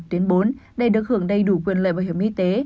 tuyến bốn để được hưởng đầy đủ quyền lợi bảo hiểm y tế